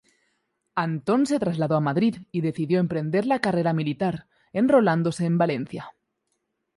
Antón se trasladó a Madrid y decidió emprender la carrera militar, enrolándose en Valencia.